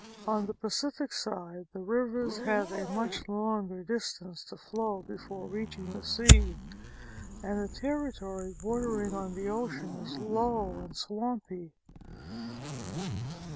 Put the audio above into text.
On the Pacific side the rivers have a much longer dis tance to flow before reaching the sea, and the territory bordering on the ocean is low and swampy.